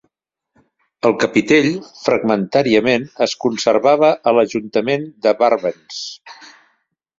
El capitell, fragmentàriament, es conservava a l'ajuntament de Barbens.